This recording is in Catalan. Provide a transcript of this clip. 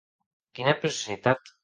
Quina preciositat!